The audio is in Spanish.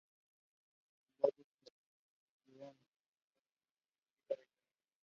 Sin embargo, sus artículos nunca llegaron a ser publicados en vida de Galois.